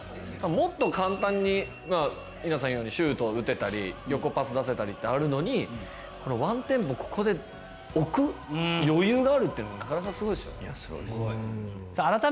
もっと簡単にイナさん言うようにシュートを打てたり横パス出せたりってあるのにこのワンテンポここで置く余裕があるっていうのはなかなかすごいですよね。